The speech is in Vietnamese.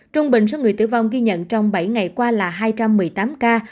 trung bình số người tử vong ghi nhận trong bảy ngày qua là hai trăm một mươi tám ca